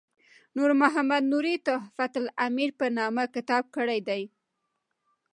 نور محمد نوري تحفة الامیر په نامه کتاب کړی دی.